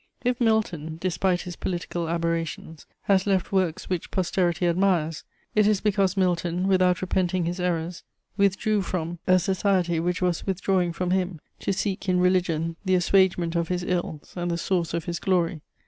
If Milton, despite his political aberrations, has left works which posterity admires, it is because Milton, without repenting his errors, withdrew from; a society which was withdrawing from him, to seek in religion the assuagement of his ills and the source of his glory.